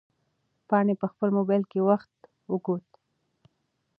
پاڼې په خپل موبایل کې وخت وکوت.